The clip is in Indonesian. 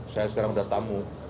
saya sekarang sudah tamu